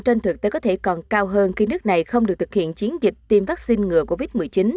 trên thực tế có thể còn cao hơn khi nước này không được thực hiện chiến dịch tiêm vaccine ngừa covid một mươi chín